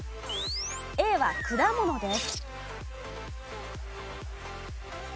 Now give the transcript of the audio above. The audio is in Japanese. Ａは果物です。